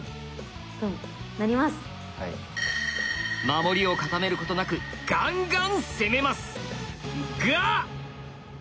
守りを固めることなくガンガン攻めますが！